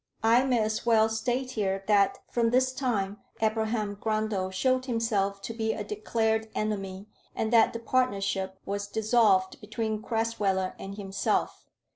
I may as well state here, that from this time Abraham Grundle showed himself to be a declared enemy, and that the partnership was dissolved between Crasweller and himself.